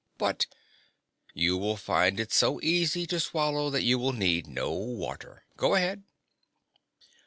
"But " "You will find it so easy to swallow that you will need no water. Go ahead."